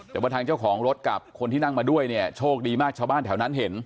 แต่ว่าทางเจ้าของรถกับคนที่นั่งมาด้วยเนี่ยโชคดีมากชาวบ้านแถวนั้นเห็น